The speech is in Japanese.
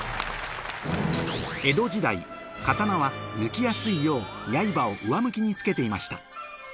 江戸時代刀は抜きやすいよう刃を上向きにつけていました